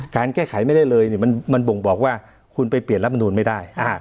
การแก้ไขไม่ได้เลยมันบ่งบอกว่าคุณไปเปลี่ยนรัฐมนูลไม่ได้